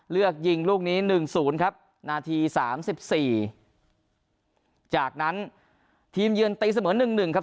เลือกยิงลูกนี้๑๐ครับนาที๓๔จากนั้นทีมเยือนตีเสมอ๑๑ครับ